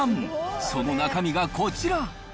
その中身がこちら。